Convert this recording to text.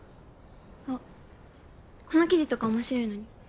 あっこの記事とか面白いのに。